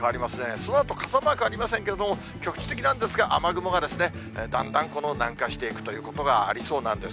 そのあと傘マークありませんけれども、局地的なんですが、雨雲がだんだん南下していくということがありそうなんです。